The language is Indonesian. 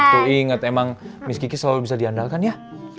tuh inget emang miss kiki selalu bisa diandalkan ya